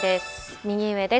右上です。